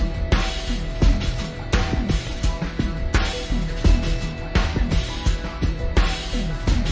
ดูดูเอาดูเอาดีเลยที่เด็ดเลยที่เด็ดเลยครับ